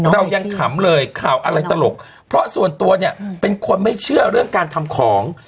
เรายังขำเลยข่าวอะไรตลกเพราะส่วนตัวเนี่ยเป็นคนไม่เชื่อเรื่องการทำของ